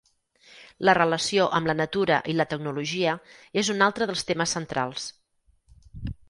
La relació amb la natura i la tecnologia és un altre dels temes centrals.